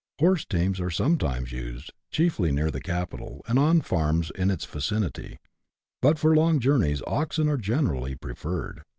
Horse teams are sometimes used, chiefly near the capital, and on the farms in its vicinity ; but, for long journeys, oxen are generally preferred.